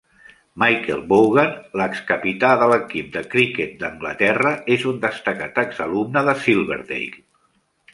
Michael Vaughan, l'excapità de l'equip de criquet d'Anglaterra, és un destacat exalumne de Silverdale.